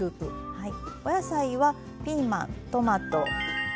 はい。